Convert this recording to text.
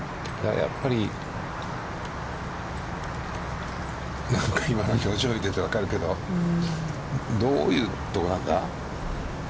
やっぱり何か今の表情を見て分かるけど、どういうウッドなんだ。